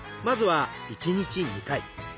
まずは１日２回。